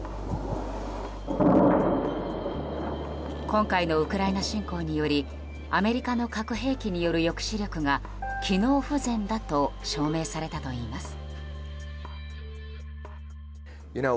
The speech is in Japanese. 今回のウクライナ侵攻によりアメリカの核兵器による抑止力が機能不全だと証明されたといいます。